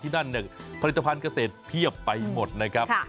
นั่นเนี่ยผลิตภัณฑ์เกษตรเพียบไปหมดนะครับ